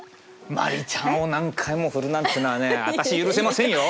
真里ちゃんを何回も振るなんてのはねあたし許せませんよ。